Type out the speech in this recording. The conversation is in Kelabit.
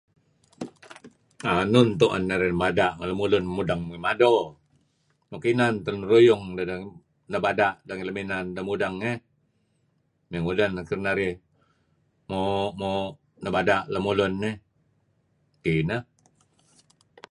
Enun tu'en narih mada' ngen lemulun mudeng ngi mado nuk inan teh lun ruyung deh nebada' deh lem inan deh eh mey ngudeh neh kedinarih mey moo'-moo' nebada' lemulun eh . Kineh.